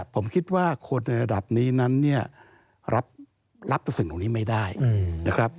ผมคิดว่าคนในระดับนี้นั้นเนี่ยรับสิ่งตรงนี้ไม่ได้นะครับ